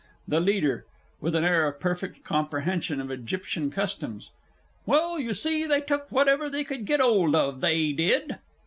THE LEADER (with an air of perfect comprehension of Egyptian customs). Well, you see they took whatever they could get 'old of, they did.